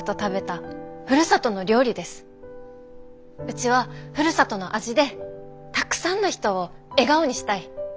うちはふるさとの味でたくさんの人を笑顔にしたい。